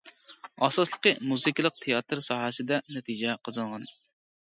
ئاساسلىقى مۇزىكىلىق تىياتىر ساھەسىدە نەتىجە قازانغان.